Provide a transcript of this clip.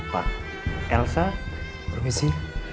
pak elsa permisi